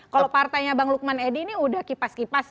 kalau partainya bang lukman edi ini udah kipas kipas